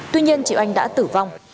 tuy nhiên chị oanh đã tử vong